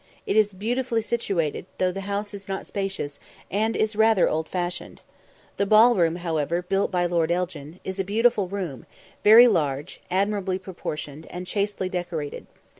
It is beautifully situated, though the house is not spacious, and is rather old fashioned. The ball room, however, built by Lord Elgin, is a beautiful room, very large, admirably proportioned, and chastely decorated.